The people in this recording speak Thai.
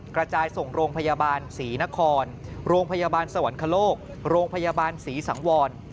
กระจายส่งโรงพยาบาลศรีนครโรงพยาบาลสวรรคโลกโรงพยาบาลศรีสังวร